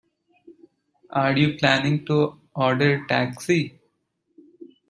So, are you planning to order a taxi?